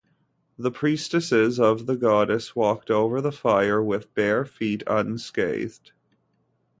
The priestesses of the goddess walked over fire with bare feet unscathed.